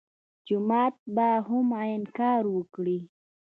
جومات به هم عین کار وکړي.